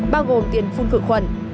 bao gồm tiền phun khử khuẩn